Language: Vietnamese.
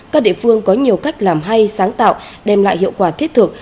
các địa phương có nhiều cách làm hay sáng tạo đem lại hiệu quả thiết thực